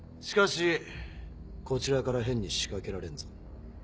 しかしこちらから変に仕掛けられんぞ。